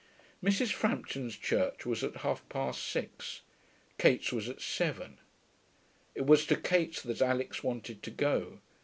Mrs. Frampton's church was at half past six. Kate's was at seven. It was to Kate's that Alix wanted to go.